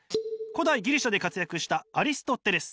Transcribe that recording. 古代ギリシアで活躍したアリストテレス。